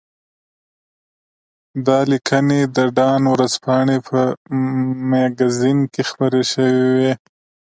دا لیکنې د ډان ورځپاڼې په مګزین کې خپرې شوې وې.